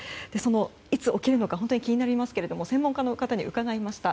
いつ起きるのか気になりますが専門家の方に伺いました。